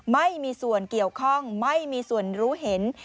ไม่มีส่วนเกี่ยวข้องไม่มีส่วนรู้เห็น